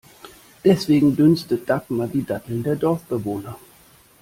Deswegen dünstet Dagmar die Datteln der Dorfbewohner.